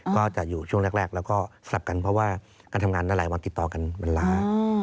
ก็จะอยู่ช่วงแรกแล้วก็สลับกันเพราะว่าการทำงานได้หลายวันติดต่อกันมันล้า